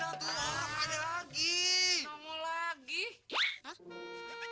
eh takutlah ada lagi